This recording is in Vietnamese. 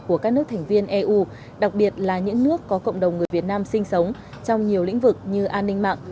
của các nước thành viên eu đặc biệt là những nước có cộng đồng người việt nam sinh sống trong nhiều lĩnh vực như an ninh mạng